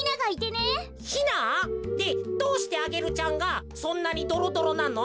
ヒナ？でどうしてアゲルちゃんがそんなにドロドロなの？